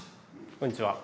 こんにちは。